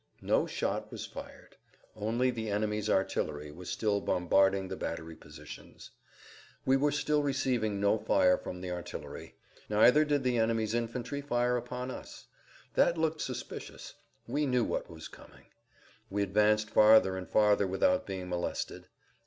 No shot was fired. Only the enemy's artillery was still bombarding the battery positions. We were still receiving no fire from the artillery; neither did the[Pg 96] enemy's infantry fire upon us. That looked suspicious; we knew what was coming. We advanced farther and farther without being molested.